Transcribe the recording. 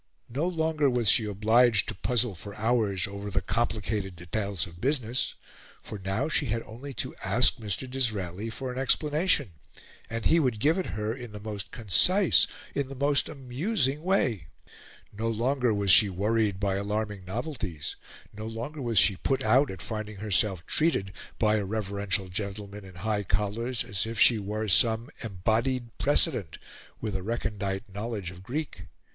No longer was she obliged to puzzle for hours over the complicated details of business, for now she had only to ask Mr. Disraeli for an explanation, and he would give it her in the most concise, in the most amusing, way. No longer was she worried by alarming novelties; no longer was she put out at finding herself treated, by a reverential gentleman in high collars, as if she were some embodied precedent, with a recondite knowledge of Greek.